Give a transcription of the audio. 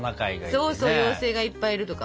そうそう妖精がいっぱいいるとか。